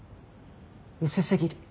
薄すぎる。